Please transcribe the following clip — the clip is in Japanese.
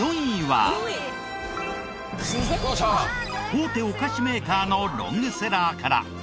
大手お菓子メーカーのロングセラーから。